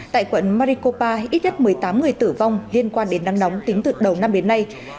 tại quận maricopa ít nhất một mươi tám người tử vong liên quan đến nắng nóng tính từ đầu năm đến nay